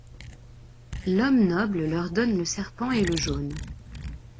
L’homme noble leur donne le serpent et le jaune.